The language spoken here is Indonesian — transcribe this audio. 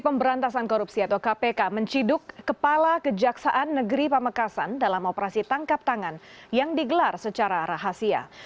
dalam operasi tangkap tangan kepala kejaksaan negeri pamekasan menciduk kepala kejaksaan negeri pamekasan dalam operasi tangkap tangan yang digelar secara rahasia